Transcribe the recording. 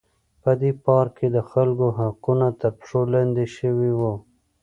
په دې پارک کې د خلکو حقوق تر پښو لاندې شوي وو.